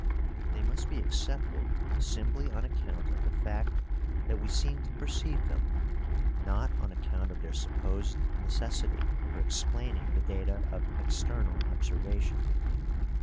They must be accepted simply on account of the fact that we seem to perceive them, not on account of their supposed necessity for explaining the data of external observation.